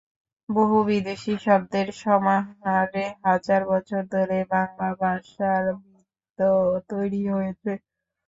বহু বিদেশি শব্দের সমাহারে হাজার বছর ধরে বাংলা ভাষার ভিত তৈরি হয়েছে।